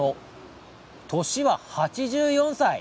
年は８４歳。